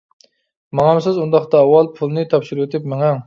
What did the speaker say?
-ماڭامسىز؟ ئۇنداقتا ئاۋۋال پۇلنى تاپشۇرۇۋېتىپ مېڭىڭ!